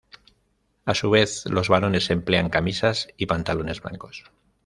A su vez, los varones emplean camisas y pantalones blancos.